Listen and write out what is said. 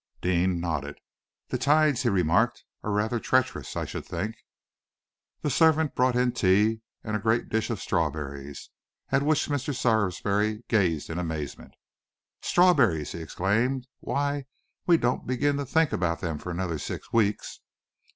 Deane nodded. "The tides," he remarked, "are rather treacherous, I should think." The servant brought in tea and a great dish of strawberries, at which Mr. Sarsby gazed in amazement. "Strawberries!" he exclaimed. "Why, we don't begin to think about them for another six weeks!"